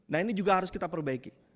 nah ini juga harus kita perbaiki